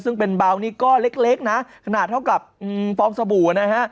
ซึ่งเป็นเบานี่ก็เล็กนะขนาดเท่ากับฟองสบู่นะฮะ